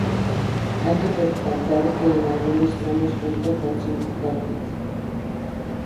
Hay que resaltar que, en algunos tramos, cuenta con cinco carriles.